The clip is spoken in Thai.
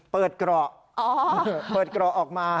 เกราะเปิดเกราะออกมา